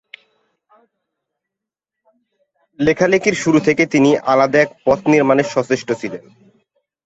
লেখালেখির শুরু থেকেই তিনি আলাদা এক পথ নির্মাণে সচেষ্ট ছিলেন।